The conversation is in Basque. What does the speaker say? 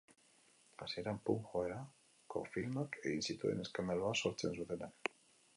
Hasieran punk joerako filmak egin zituen, eskandalua sortzen zutenak.